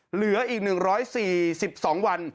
เหลืออีก๑๔๒วัน